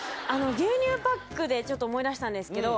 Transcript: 牛乳パックでちょっと思い出したんですけど。